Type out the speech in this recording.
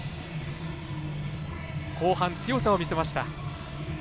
後半、強さを見せました。